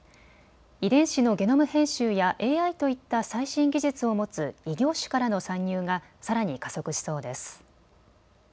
遺伝子のゲノム編集やＡＩといった最新技術を持つ異業種からの参入がさらに加速しそうです。